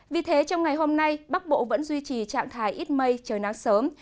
vì thế trong ngày hôm nay bắc bộ vẫn duy trì trạng thái ít mây trời nắng sớm